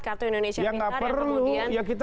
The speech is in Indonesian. kartu indonesia pintar